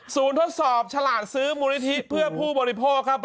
ทดสอบฉลาดซื้อมูลนิธิเพื่อผู้บริโภคครับ